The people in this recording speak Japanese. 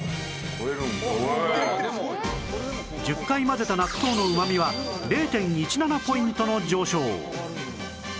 １０回混ぜた納豆の旨味は ０．１７ ポイントの上昇